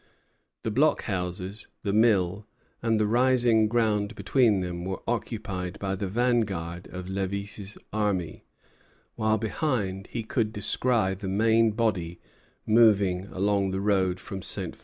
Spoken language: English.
The blockhouses, the mill, and the rising ground between them were occupied by the vanguard of Lévis' army; while, behind, he could descry the main body moving along the road from Ste.